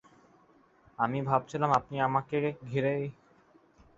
আমি ভাবছিলাম, আপনি আমাকে ঘরেই ঢুকতে দেবেন না।